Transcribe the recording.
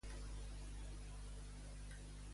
De quina metròpolis era monarca, Diomedes?